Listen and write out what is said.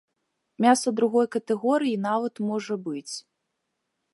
Мяса другой катэгорыі нават можа быць.